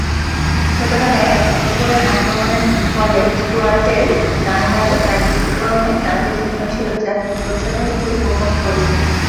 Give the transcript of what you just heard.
ছোটবেলায় একটি কুকুরের আক্রমণের ফলে, স্টুয়ার্টের ডান গালে চারটি বিবর্ণ দাঁতের চিহ্ন ছিল, যা তিনি প্রসাধনী দিয়ে গোপন করেছিলেন।